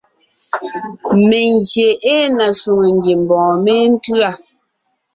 Mengyè ée na shwòŋo ngiembɔɔn méntʉ̂a.